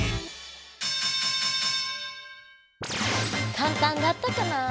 かんたんだったかな？